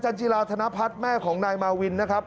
จิราธนพัฒน์แม่ของนายมาวินนะครับ